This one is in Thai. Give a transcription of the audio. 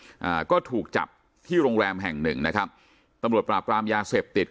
อ่าก็ถูกจับที่โรงแรมแห่งหนึ่งนะครับตำรวจปราบรามยาเสพติด